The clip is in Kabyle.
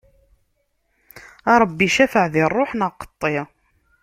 A Ṛebbi cafeɛ di ṛṛuḥ neɣ qeṭṭi!